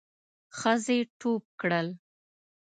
ښځې ټوپ کړل.